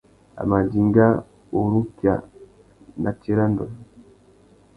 A mà dinga urukia a nà tsirândone.